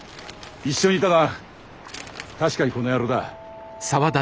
一緒にいたのは確かにこの野郎だ。